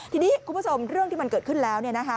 ทีนี้คุณผู้ชมเรื่องที่มันเกิดขึ้นแล้ว